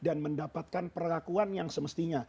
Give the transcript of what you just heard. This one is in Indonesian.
dan mendapatkan perlakuan yang semestinya